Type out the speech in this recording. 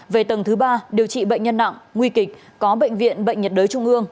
về tầng thứ ba điều trị bệnh nhân nặng nguy kịch có bệnh viện bệnh nhiệt đới trung ương